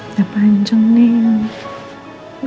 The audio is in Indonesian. udah panjang nih